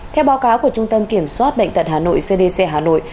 theo báo cáo của trung tâm kiểm soát bệnh tật hà nội cdc hà nội